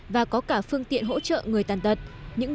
và có cả phần thông tin